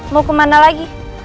mau ke mana lagi